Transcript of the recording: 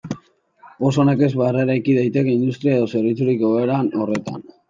Oso nekez berreraiki daiteke industria edo zerbitzurik egoera horretan.